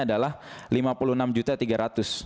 adalah rp lima puluh enam tiga ratus